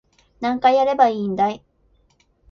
何回やればいいんだい